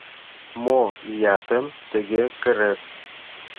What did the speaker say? — Мо иятым тыге кырет?!